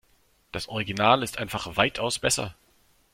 Das Original ist einfach weitaus besser.